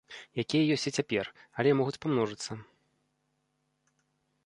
Якія ёсць і цяпер, але могуць памножыцца.